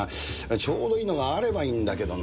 ちょうどいいのがあればいいんだけどな。